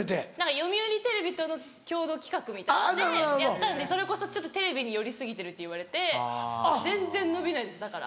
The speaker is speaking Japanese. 読売テレビとの共同企画みたいなのでやったんでそれこそちょっとテレビに寄り過ぎてるって言われて全然伸びないですだから。